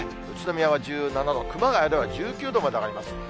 宇都宮は１７度、熊谷では１９度まで上がります。